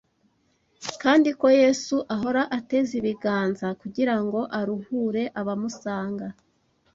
kandi ko Yesu ahora ateze ibiganza kugirango aruhure abamusanga